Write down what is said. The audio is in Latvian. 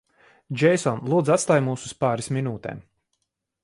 Džeison, lūdzu atstāj mūs uz pāris minūtēm?